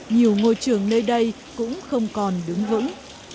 nhiều ngôi trường nơi đây cũng không còn đứng vững